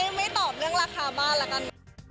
ไม่ตอบเรื่องราคาบ้านละกัน